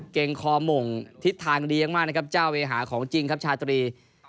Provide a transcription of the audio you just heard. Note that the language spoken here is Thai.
เก่งคอหม่งทิศทางดีมากนะครับเจ้าเวหาของจริงครับชาตรี